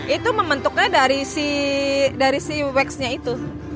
itu membentuknya dari si dari si waxnya itu